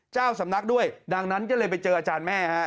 เจ้าสำนักด้วยดังนั้นก็เลยไปเจออาจารย์แม่ฮะ